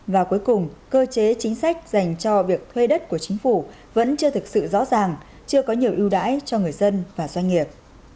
và cuối cùng cơ chế chính sách dành cho việc thuê đất của chính phủ vẫn chưa thực sự rõ ràng chưa có nhiều ưu đãi cho người dân và doanh nghiệp